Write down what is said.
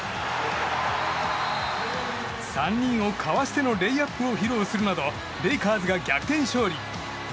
３人をかわしてのレイアップを披露するなどレイカーズが逆転勝利。